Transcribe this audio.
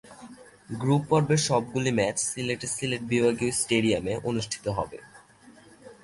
Group পর্বের সবগুলি match সিলেটের সিলেট বিভাগীয় স্টেডিয়ামে অনুষ্ঠিত হবে।